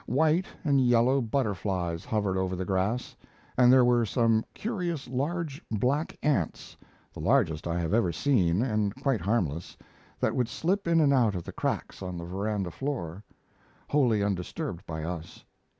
White and yellow butterflies hovered over the grass, and there were some curious, large black ants the largest I have ever seen and quite harmless that would slip in and out of the cracks on the veranda floor, wholly undisturbed by us.